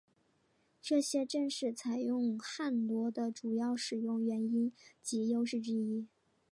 这些正是采用汉罗的主要使用原因及优势之一。